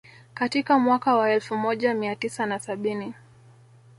Katika mwaka wa elfu moj mia tisa na sabini